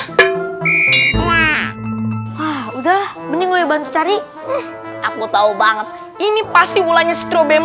gak nah udah gile bantu cari aku tahu banget ini pastiinkulah menggulungkan